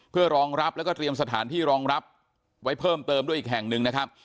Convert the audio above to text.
เพื่อรองรับแล้วก็เตรียมสถานที่รองรับไว้เพิ่มเติมด้วยอีกแห่งหนึ่งนะครับ